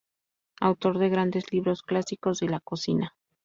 Autor de grandes libros clásicos de la cocina.